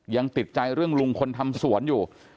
ยังติดใจเรื่องลุงคนทำสวนอยู่